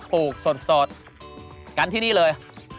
ปลูกสดกันที่นี่เลย